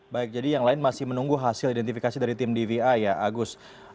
baik jadi yang lain masih menunggu hasil identifikasi dari tim dvi ya agus